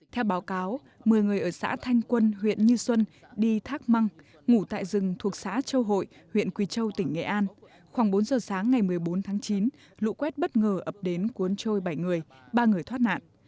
theo báo cáo một mươi người ở xã thanh quân huyện như xuân đi thác măng ngủ tại rừng thuộc xã châu hội huyện quỳ châu tỉnh nghệ an khoảng bốn giờ sáng ngày một mươi bốn tháng chín lũ quét bất ngờ ập đến cuốn trôi bảy người ba người thoát nạn